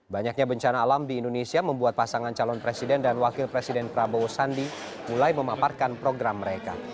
banyaknya bencana alam di indonesia membuat pasangan calon presiden dan wakil presiden prabowo sandi mulai memaparkan program mereka